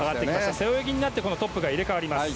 背泳ぎになってトップが入れ替わります。